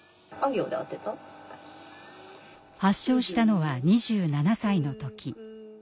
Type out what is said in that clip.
発症したのは２７歳の時。